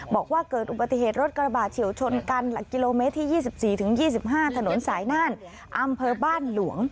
บอกว่าเกิดอุบัติเหตุรถกระบาดเฉียวชนกันหลักกิโลเมตรที่๒๔๒๕ถนนสายน่านอำเภอบ้านหลวง